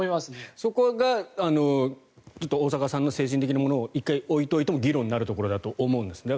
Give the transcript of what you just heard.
そこが大坂さんの精神的なものを１回置いておいても議論になるところだと思うんですね。